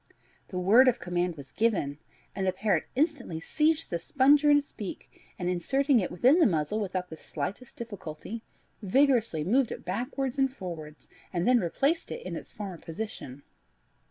The word of command was given, and the parrot instantly seized the sponger in its beak, and inserting it within the muzzle without the slightest difficulty, vigorously moved it backwards and forwards, and then replaced it in its former position.